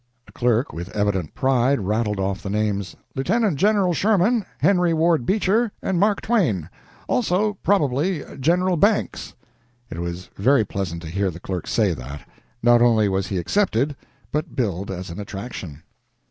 A clerk, with evident pride, rattled off the names: "Lieutenant General Sherman, Henry Ward Beecher, and Mark Twain; also, probably, General Banks." It was very pleasant to hear the clerk say that. Not only was he accepted, but billed as an attraction.